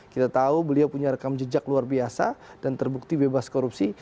kita tahu beliau punya rekam jejak luar biasa dan terbukti bebas korupsi